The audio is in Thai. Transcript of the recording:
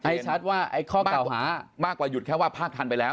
ให้ชัดว่าไอ้ข้อเก่าหามากกว่าหยุดแค่ว่าภาคทันไปแล้ว